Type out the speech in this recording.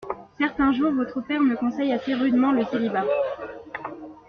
Certain jour, votre père me conseille assez rudement le célibat.